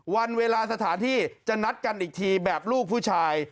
วันเวลาสถานที่จะนัดกันอีกทีแบบลูกผู้ชาย